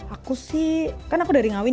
aku sih kan aku dari ngawin